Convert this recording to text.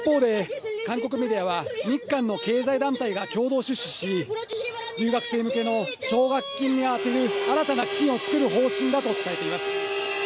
一方で韓国メディアは日韓の経済団体が共同出資し、留学生向けの奨学金にあてる新たな基金をつくる方針だと伝えています。